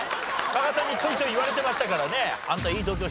加賀さんにちょいちょい言われてましたからね。